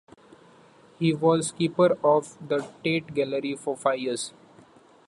He was keeper of the Tate gallery for five years.